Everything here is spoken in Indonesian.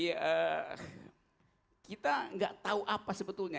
jadi kita nggak tahu apa sebetulnya